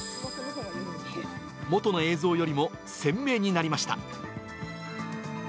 元の映像よりも鮮明になりました。